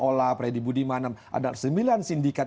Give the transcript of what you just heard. olah predi budiman ada sembilan sindikat